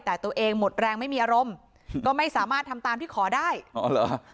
แต่ตัวเองหมดแรงไม่มีอารมณ์ก็ไม่สามารถทำตามที่ขอได้อ๋อเหรอ